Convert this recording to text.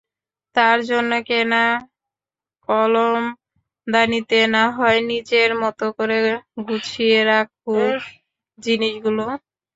তার জন্য কেনা কলমদানিতে নাহয় নিজের মতো করে গুছিয়ে রাখুক জিনিসগুলো।